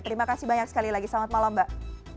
terima kasih banyak sekali lagi selamat malam mbak